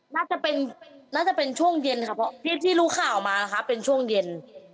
น่าจะเป็นน่าจะเป็นช่วงเย็นค่ะเพราะที่รู้ข่าวมานะคะเป็นช่วงเย็น